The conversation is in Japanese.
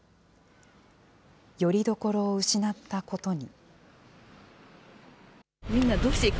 よりどころを失ったことに。